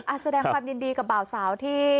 อ่ะแสดงความยินดีกับเบาสาวที่